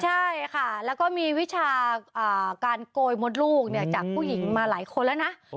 ใช่ค่ะแล้วก็มีวิชาการโกยมดลูกจากผู้หญิงมาหลายคนแล้วนะ